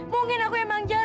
mungkin aku emang jahat